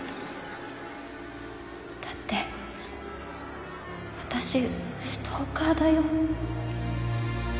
だって私ストーカーだよ？